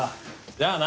じゃあな。